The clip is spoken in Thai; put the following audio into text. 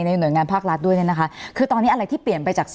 หน่วยงานภาครัฐด้วยเนี่ยนะคะคือตอนนี้อะไรที่เปลี่ยนไปจาก